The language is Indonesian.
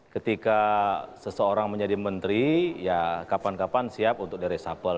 ketika seseorang menjadi menteri ya kapan kapan siap untuk di resapel